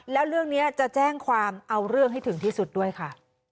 แล้วเรื่องนี้จะแจ้งความเอาเรื่องให้ถึงที่สุดด้วยค่ะ